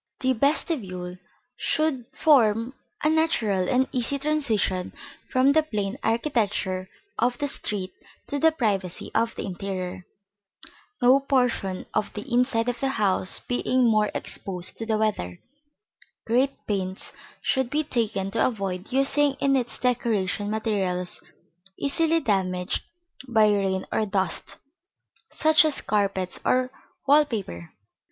The vestibule should form a natural and easy transition from the plain architecture of the street to the privacy of the interior (see Plate XXVIII). No portion of the inside of the house being more exposed to the weather, great pains should be taken to avoid using in its decoration materials easily damaged by rain or dust, such as carpets or wall paper.